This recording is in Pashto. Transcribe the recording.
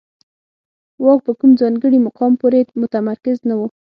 واک په کوم ځانګړي مقام پورې متمرکز نه و